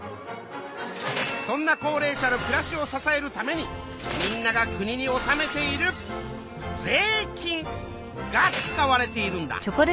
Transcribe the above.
そんな高齢者の暮らしを支えるためにみんなが国におさめている税金が使われているんだ。